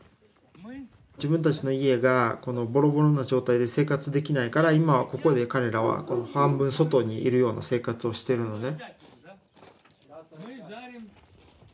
自分たちの家がこのぼろぼろの状態で生活できないから今はここで彼らは半分外にいるような生活をしてるのね。